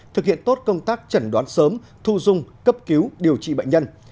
thực hiện tốt công tác chẩn đoán sớm thu dung cấp cứu điều trị bệnh nhân